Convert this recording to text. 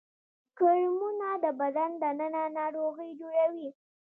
کرمونه د بدن دننه ناروغي جوړوي